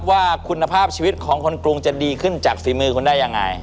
ว่าคุณภาพชีวิตของคนกรุงจะดีขึ้นจากฝีมือคุณได้ยังไง